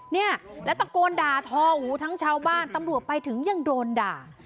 เนี่ยแล้วตะโกนด่าทอหูทั้งชาวบ้านตำรวจไปถึงยังโดนด่า